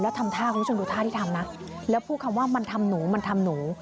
แล้วทำท่าคุณผู้ชมดูท่าที่ทำนะแล้วพูดคำว่ามันทำหนูมันทำหนู